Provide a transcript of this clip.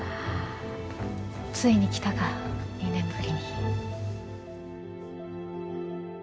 ついに来たか２年ぶりに。